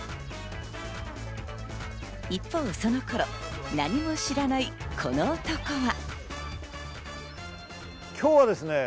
一方その頃、何も知らないこの男は。